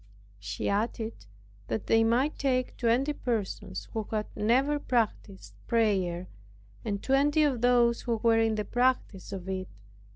She added that they might take twenty persons who had never practiced prayer, and twenty of those who were in the practice of it.